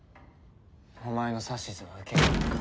お前の指図は受けない。